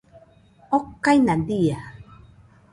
okaina dia